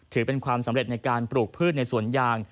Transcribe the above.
ถือเป็นความสำเร็จในการปลูกพืชในสวนยาง